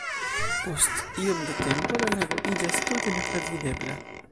Post iom da tempo, la lago iĝas tute netravidebla.